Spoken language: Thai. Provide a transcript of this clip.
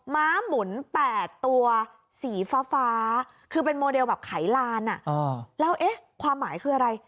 ม้าหมุน๘ตัวสีฟ้าคือเป็นโมเดลแบบไขลานแล้วเอ๊ะความหมายคืออะไร